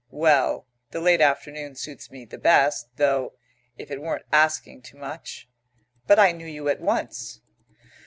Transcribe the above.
"Well, the late afternoon suits me the best, though, if it weren't asking too much " "But I knew you at once!"